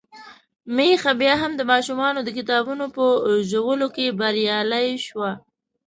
ميښه بيا هم د ماشومانو د کتابونو په ژولو کې بريالۍ شوه.